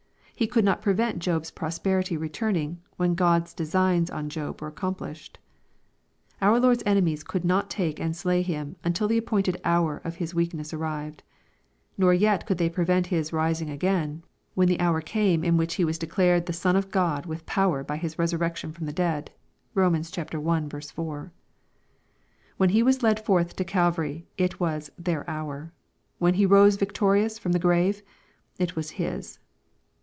He could not prevent Job's prosperity returning, when God's designs on Job were accomplished. Our Lord's enemies could not take and slay him, until the appointed " hour" of His weakness arrived. Nor yet could they prevent His rising again, when the hour came in which He was declared the Son of God with power, by His resurrec tion from the dead. (Rom. i. 4) When He was led forth to Calvary, it was "their hour." When He rose victorious from the grave, it was His.